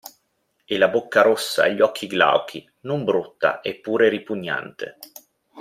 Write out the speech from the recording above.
E la bocca rossa e gli occhi glauchi; non brutta eppure ripugnante.